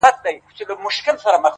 ژوند چي د سندرو سکه ورو دی لمبې کوې!